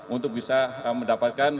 untuk bisa mendapatkan